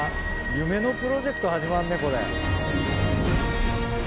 夢のプロジェクト始まるねこれ。